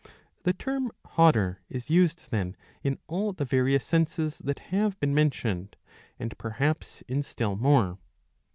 The term hotter is used then in all the various senses that have been mentioned, and perhaps in still more.